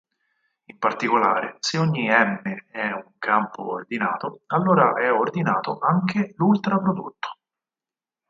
In particolare, se ogni "M" è un campo ordinato, Allora è ordinato anche l'ultraprodotto.